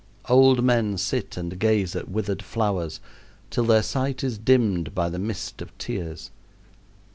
Old men sit and gaze at withered flowers till their sight is dimmed by the mist of tears.